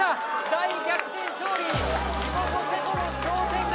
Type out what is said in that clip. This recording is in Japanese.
大逆転勝利に地元・瀬戸の商店街